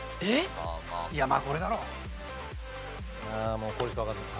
もうこれしかわかんない。